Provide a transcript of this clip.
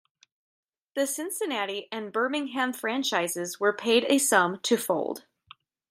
The Cincinnati and Birmingham franchises were paid a sum to fold.